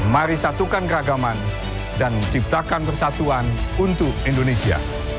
mari satukan keragaman dan ciptakan persatuan untuk indonesia